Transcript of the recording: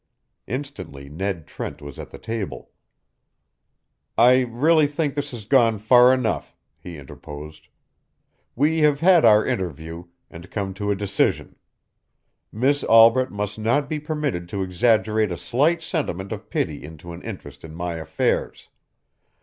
Instantly Ned Trent was at the table. "I really think this has gone far enough," he interposed. "We have had our interview, and come to a decision. Miss Albret must not be permitted to exaggerate a slight sentiment of pity into an interest in my affairs.